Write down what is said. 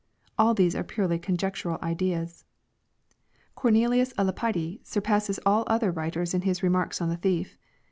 All these are purely conjec tural ideas. Cornelius a Lapide surpasses all other writers in his remarks on the thief.